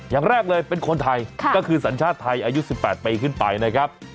อย่างแรกเลยเป็นคนไทยก็คือสัญชาติไทยอายุ๑๘ปีขึ้นไปนะครับ